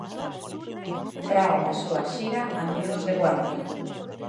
Trae a súa xira 'Amigos de guardia'.